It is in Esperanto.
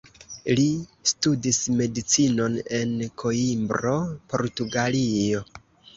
Li studis Medicinon en Koimbro, Portugalio.